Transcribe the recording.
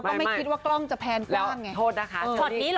ก็ไม่คิดว่ากล้องจะแพรนกว้างไง